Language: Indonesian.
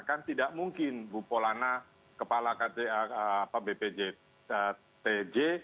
kan tidak mungkin bupolana kepala kpj